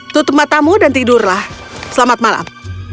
tutup matamu dan tidurlah selamat malam